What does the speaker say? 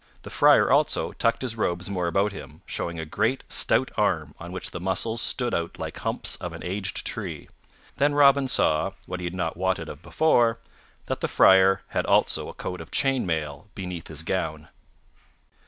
The Friar, also, tucked his robes more about him, showing a great, stout arm on which the muscles stood out like humps of an aged tree. Then Robin saw, what he had not wotted of before, that the Friar had also a coat of chain mail beneath his gown.